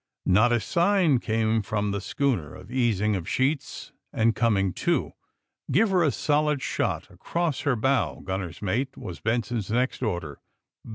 Not a sign came from the schooner of easing of sheets and com ing to. *^Give her a solid shot across her bow, gun ner's mate," was Benson's next order.